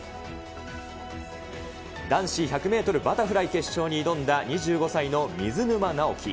男子１００メートルバタフライ決勝に挑んだ２５歳の水沼尚輝。